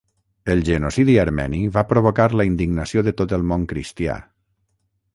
El genocidi armeni va provocar la indignació de tot el món cristià.